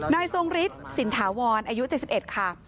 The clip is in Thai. ทรงฤทธิสินถาวรอายุ๗๑ค่ะ